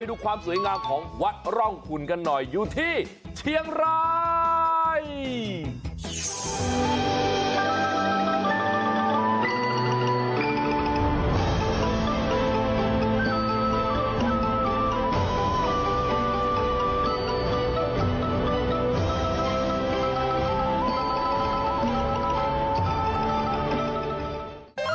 ดูความสวยงามของวัดร่องคุณกันหน่อยอยู่ที่เชียงราย